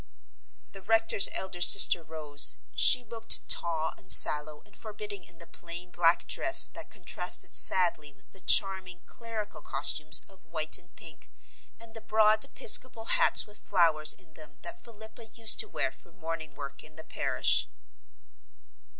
The rector's elder sister rose. She looked tall and sallow and forbidding in the plain black dress that contrasted sadly with the charming clerical costumes of white and pink and the broad episcopal hats with flowers in them that Philippa used to wear for morning work in the parish.